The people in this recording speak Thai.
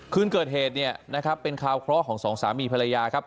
คืนเกิดเหตุเนี่ยนะครับเป็นข่าวเคราะห์ของสองสามีภรรยาครับ